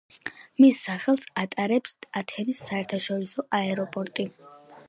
მის სახელს ატარებს ათენის საერთაშორისო აეროპორტი.